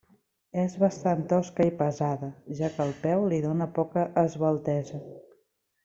És bastant tosca i pesada, ja que el peu li dóna poca esveltesa.